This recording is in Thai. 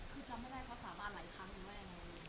คือจำไม่ได้เพราะสาบานหลายครั้งหรือว่าอะไรอย่างงี้